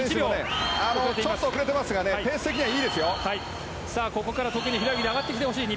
ちょっと遅れてますがペース的にはいいですよ井狩選手。